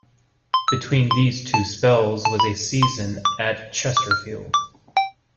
Between these two spells was a season at Chesterfield.